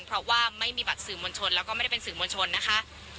เพราะว่าไม่มีบัตรสื่อมวลชนแล้วก็ไม่ได้เป็นสื่อมวลชนนะคะ